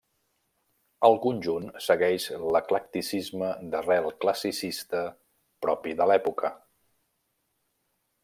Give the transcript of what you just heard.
El conjunt segueix l'eclecticisme d'arrel classicista propi de l'època.